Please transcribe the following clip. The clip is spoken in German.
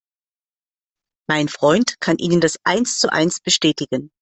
Mein Freund kann Ihnen das eins zu eins bestätigen.